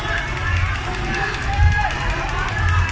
อันนี้ก็มันถูกประโยชน์ก่อน